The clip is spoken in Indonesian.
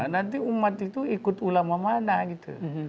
nanti umat itu ikut ulama mana gitu